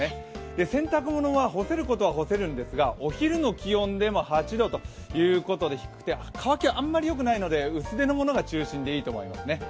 洗濯物は干せることは干せるんですが、お昼の気温でも８度と低くて乾きはあまりよくないので、薄手のものが中心でいいと思いますね。